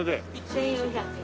１４００円。